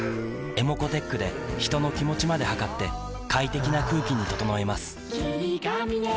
ｅｍｏｃｏーｔｅｃｈで人の気持ちまで測って快適な空気に整えます